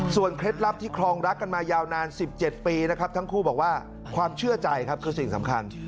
เคล็ดลับที่ครองรักกันมายาวนาน๑๗ปีนะครับทั้งคู่บอกว่าความเชื่อใจครับคือสิ่งสำคัญ